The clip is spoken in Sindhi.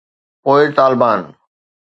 پوءِ طالبان